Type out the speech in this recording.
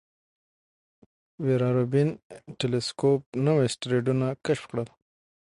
ویرا روبین ټیلسکوپ نوي اسټروېډونه کشف کړل.